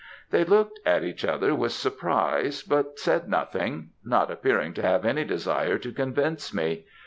"They looked at each other with surprise, but said nothing; not appearing to have any desire to convince me.